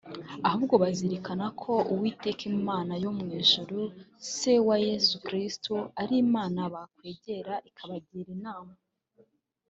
ahubwo bazirikana ko Uwiteka Imana yo mu ijuru se wa Yesu Khristo ari Imana bakwegera ikabagira inama